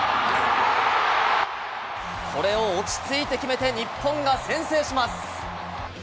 これを落ち着いて決めて、日本が先制します。